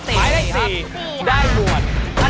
หมายเลข๔ได้หมด